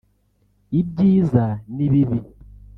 ibyiza n’ibibi